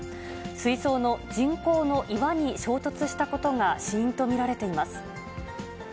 水槽の人工の岩に衝突したことが死因と見られています。